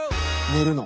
寝るの。